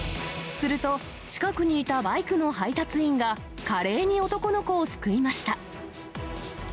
すると、近くにいたバイクの配達員が、華麗に男の子を救いました。